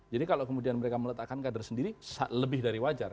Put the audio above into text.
jadi kalau kemudian mereka meletakkan kader sendiri lebih dari wajar